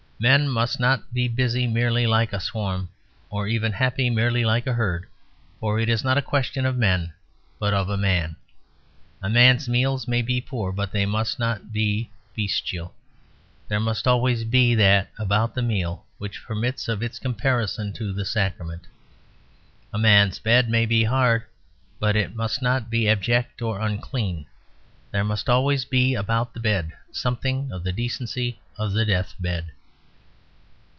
Men must not be busy merely like a swarm, or even happy merely like a herd; for it is not a question of men, but of a man. A man's meals may be poor, but they must not be bestial; there must always be that about the meal which permits of its comparison to the sacrament. A man's bed may be hard, but it must not be abject or unclean: there must always be about the bed something of the decency of the death bed.